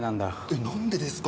えっ何でですか？